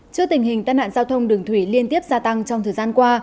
trước tình hình tàn hạn giao thông đường thủy liên tiếp gia tăng trong thời gian qua